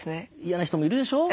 嫌な人もいるでしょう。